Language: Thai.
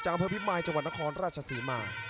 จังหาเพิ่มพิมัยจังหวัดนครราชสีมา